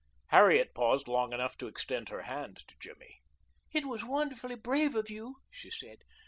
Harriet paused long enough to extend her hand to Jimmy. "It was wonderfully brave of you," she said.